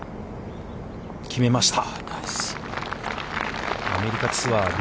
決めました。